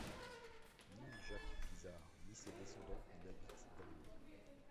Ni Jacques Bizard ni ses descendants n’habitent dans l’île.